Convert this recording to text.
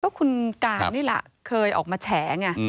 เพราะคุณการ์ดนี่ล่ะเคยออกมาแฉง